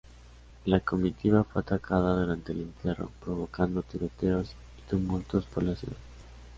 La comitiva fue atacada durante el entierro, provocando tiroteos y tumultos por la ciudad.